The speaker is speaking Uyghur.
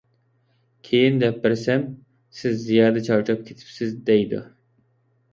كېيىن دەپ بەرسەم، سىز زىيادە چارچاپ كېتىپسىز دەيدۇ.